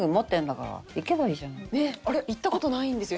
行った事ないんですよ